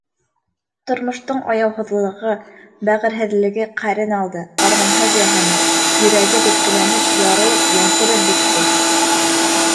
Тормоштоң аяуһыҙлығы, бәғерһеҙлеге ҡәрен алды, арманһыҙ яһаны, йөрәге теткеләнеп, ярылып, йәнселеп бөттө.